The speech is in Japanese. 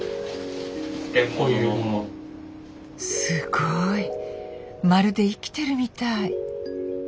すごい！まるで生きてるみたい。